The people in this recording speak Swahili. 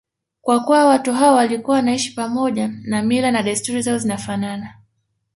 Kwa kuwa watu hao walikuwa wanaishi pamoja na mila na desturi zao zinafanana